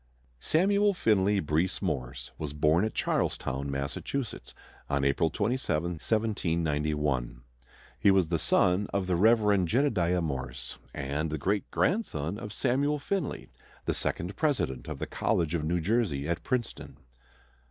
Samuel Finley Breese Morse was born at Charlestown, Massachusetts, on April 27, 1791. He was the son of the Rev. Jedediah Morse, and the great grandson of Samuel Finley, the second president of the College of New Jersey at Princeton.